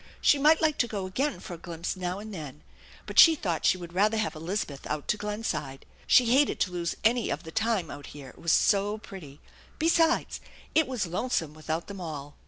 She might like to go again for a glimpse now and then, but she thought she would rather have Eliza beth out to Glenside. She hated to lose any of the time out here, it was so pretty. Besides, it was lonesome without them all.